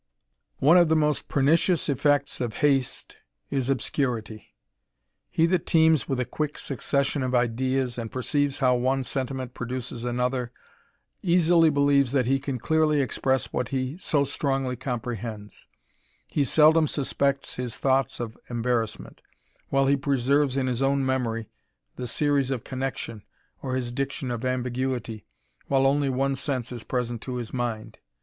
3ne of the most pernicious effects of haste is obscurity. : that teems with a quick succession of ideas, and eeives how one sentiment produces another, easily ieves that he can clearly express what he so strongly com bends; he seldom suspects his thoughts of embarrass Ot, while he preserves in his own memory the series of inoction, or his diction of ambiguity, while only one sense present to bis mind.